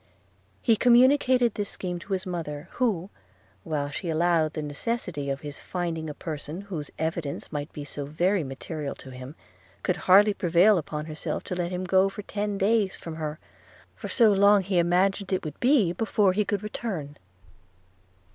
He communicated this scheme to his mother, who, while she allowed the necessity of his finding a person whose evidence might be so very material to him, could hardly prevail upon herself to let him go for ten days from her; for so long he imagined it would be before he could return.